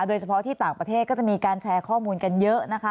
โดยเฉพาะที่ต่างประเทศก็จะมีการแชร์ข้อมูลกันเยอะนะคะ